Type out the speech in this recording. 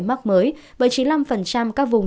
mắc mới với chín mươi năm các vùng